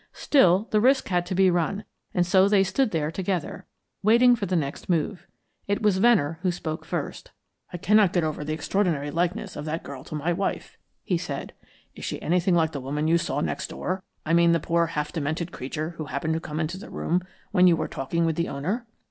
Still, the risk had to be run, and so they stood there together, waiting for the next move. It was Venner who spoke first. "I cannot get over the extraordinary likeness of that girl to my wife," he said. "Is she anything like the woman you saw next door? I mean the poor half demented creature who happened to come into the room when you were talking with the owner?"